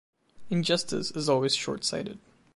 Injustice is always short-sighted.